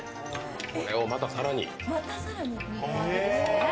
それをまた更に。